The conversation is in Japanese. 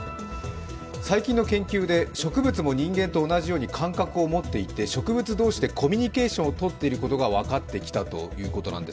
最近の研究で植物も人間と同じように感覚を持っていて、植物同士でコミュニケーションをとっていることが分かってきたということです。